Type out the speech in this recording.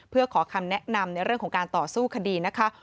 เพื่อขอคำแนะนำในเรื่องของการต่อสู้คดีนะคะ